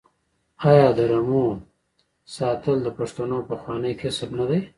آیا د رمو ساتل د پښتنو پخوانی کسب نه دی؟